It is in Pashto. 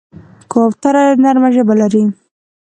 کوتره نرمه ژبه لري.